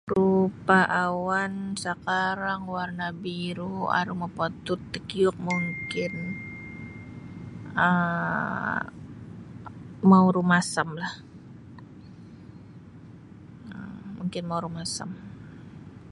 Rupa awan sakarang warna biru aru mopotut takiuk mungkin mau rumasamlah mungkin mau rumasam.